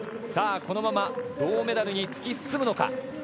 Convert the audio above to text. このまま銅メダルに突き進むのか。